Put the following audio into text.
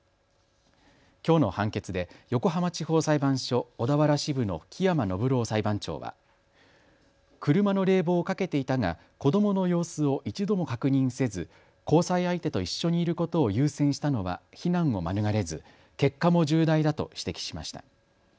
きょうの判決で横浜地方裁判所小田原支部の木山暢郎裁判長は車の冷房をかけていたが子どもの様子を一度も確認せず交際相手と一緒にいることを優先したのは非難を免れず結果も重大だと指摘しました。